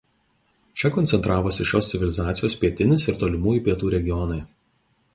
Čia koncentravosi šios civilizacijos Pietinis ir Tolimųjų pietų regionai.